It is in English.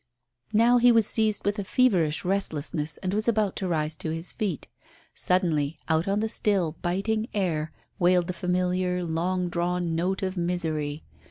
Now he was seized with a feverish restlessness and was about to rise to his feet. Suddenly, out on the still, biting air wailed the familiar long drawn note of misery.